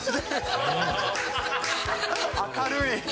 明るい。